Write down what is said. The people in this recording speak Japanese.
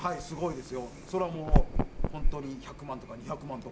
そりゃもう本当に１００万とか２００万とか。